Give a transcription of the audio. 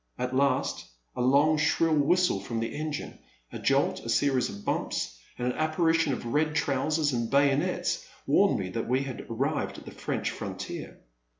At last, a long, shrill whistle from the engine, a jolt, a series of bumps, and an apparition of red trousers and bayonets warned me that we had arrived at the French frontier.